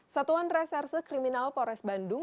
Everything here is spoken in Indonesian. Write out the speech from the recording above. satuan reserse kriminal pores bandung